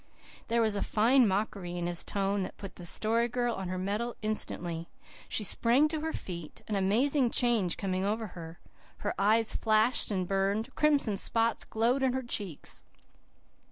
There was a fine mockery in his tone that put the Story Girl on her mettle instantly. She sprang to her feet, an amazing change coming over her. Her eyes flashed and burned; crimson spots glowed in her cheeks.